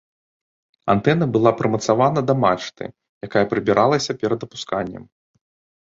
Антэна была прымацавана да мачты, якая прыбіралася перад апусканнем.